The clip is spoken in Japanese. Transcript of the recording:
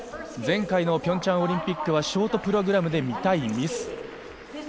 前回のピョンチャンオリンピックはショートプログラムで痛いミス。